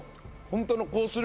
本当のコース